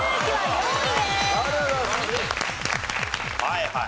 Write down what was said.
はいはい。